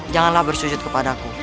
janganlah bersujud kepadaku